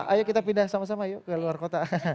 ayo kita pindah sama sama yuk ke luar kota